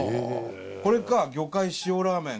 これか「魚介塩ラーメン」